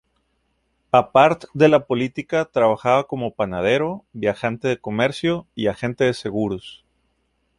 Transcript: Apart de la política, trabajaba como panadero, viajante de comercio y agente de seguros.